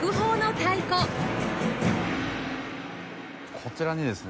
こちらにですね